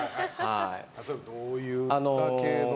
例えばどういった系の？